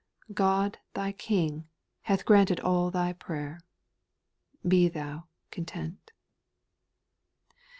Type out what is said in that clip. God, thy King, hath granted all thy prayer. Be thou content.